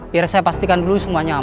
biar saya pastikan dulu semuanya aman